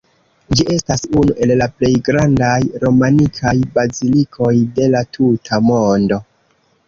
Ĝi estas unu el la plej grandaj romanikaj bazilikoj de la tuta mondo.